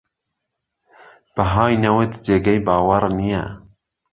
بەهای نەوت جێگەی باوەڕ نییە